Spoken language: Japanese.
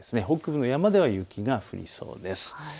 北部の山では雪が降りそうです。